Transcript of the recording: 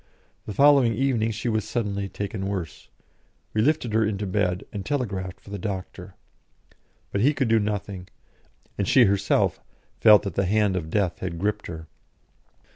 The following evening she was suddenly taken worse; we lifted her into bed, and telegraphed for the doctor. But he could do nothing, and she herself felt that the hand of Death had gripped her.